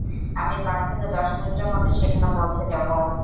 আমি পাঁচ থেকে দশ মিনিটের মধ্যে সেখানে পৌঁছে যাব।